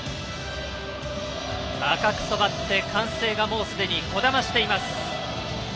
赤く染まって歓声がもうすでにこだましています。